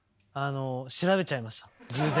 調べちゃいました偶然。